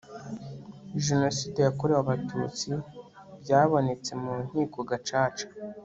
genoside yakorewe abatutsi byabonetse mu nkiko gacaca